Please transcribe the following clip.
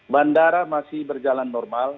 bandara masih berjalan normal